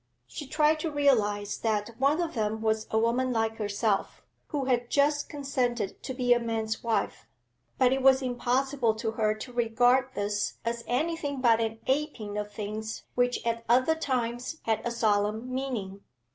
She tried to realise that one of them was a woman like herself, who had just consented to be a man's wife; but it was impossible to her to regard this as anything but an aping of things which at other times had a solemn meaning.